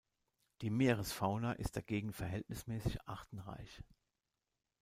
Die Meeresfauna ist dagegen verhältnismäßig artenreich.